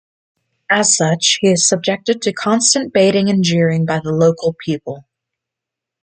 As such, he is subjected to constant baiting and jeering by the local people.